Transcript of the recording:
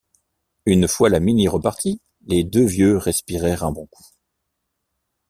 Une fois la Mini repartie, les deux vieux respirèrent un bon coup.